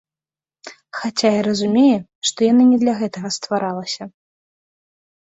Хаця і разумее, што яна не для гэтага стваралася.